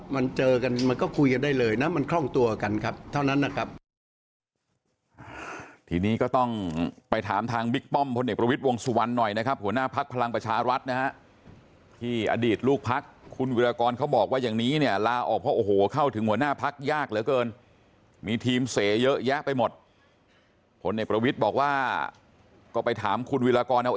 มันเจอกันมันก็คุยกันได้เลยนะมันคล่องตัวกันครับเท่านั้นนะครับ